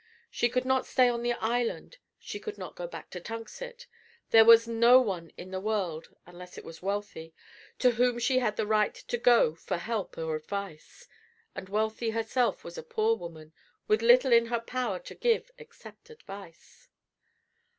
She could not stay on the island; she could not go back to Tunxet; there was no one in the world unless it was Wealthy to whom she had the right to go for help or advice; and Wealthy herself was a poor woman, with little in her power to give except advice.